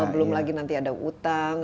belum lagi nanti ada utang